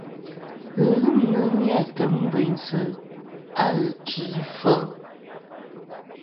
Ghɨlûmnɨ ni-a tem gveynsɨ a ghɨkì fel.